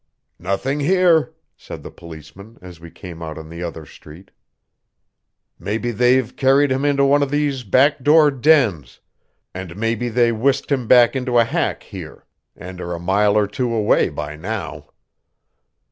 "Nothing here," said the policeman, as we came out on the other street. "Maybe they've carried him into one of these back door dens, and maybe they whisked him into a hack here, and are a mile or two away by now."